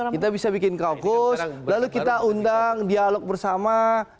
kita bisa bikin kaukus lalu kita undang dialog bersama